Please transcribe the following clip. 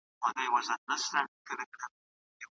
نادان دوست نه زيان رسيږي.